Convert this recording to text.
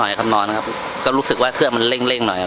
และอันดับสุดท้ายประเทศอเมริกา